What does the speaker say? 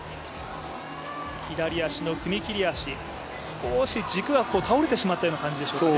左足の踏み切り足、少し軸が倒れてしまったような感じでしょうかね。